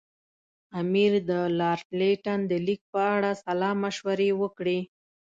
امیر د لارډ لیټن د لیک په اړه سلا مشورې وکړې.